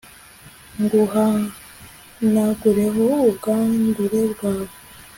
nguhanagureho ubwandure bwawe.